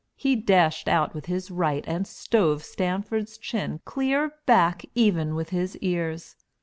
He dashed out with his right and stove Stanford's chin clear back even with his ears.